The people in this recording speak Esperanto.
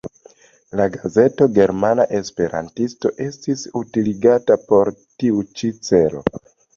La gazeto "Germana Esperantisto" estis utiligata por tiu ĉi celo.